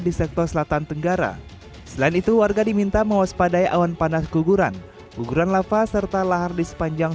dan itu warga diminta mewaspadai awan panas guguran guguran lava serta lahar di sepanjang